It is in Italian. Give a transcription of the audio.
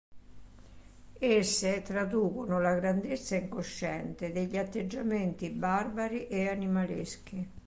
Esse traducono la grandezza incosciente degli atteggiamenti barbari e animaleschi.